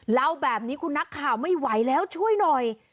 เล่าแบบนี้คุณนักข่าวไม่ไหวแล้วช่วยหน่อย